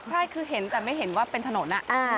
ใช่คือเห็นแต่ไม่เห็นว่าเป็นถนน